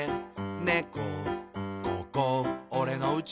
「ここ、おれのうち」